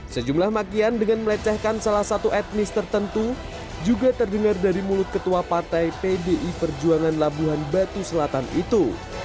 sejumlah makian dengan melecehkan salah satu etnis tertentu juga terdengar dari mulut ketua partai pdi perjuangan labuhan batu selatan itu